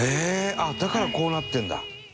あっだからこうなってるんだ。